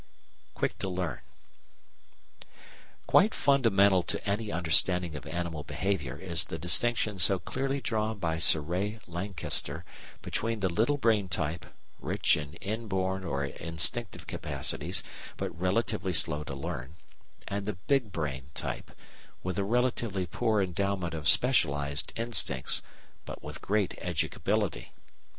Quick to Learn Quite fundamental to any understanding of animal behaviour is the distinction so clearly drawn by Sir Ray Lankester between the "little brain" type, rich in inborn or instinctive capacities, but relatively slow to learn, and the "big brain" type, with a relatively poor endowment of specialised instincts, but with great educability.